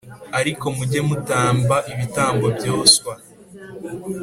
Ariko mujye mutamba ibitambo byoswa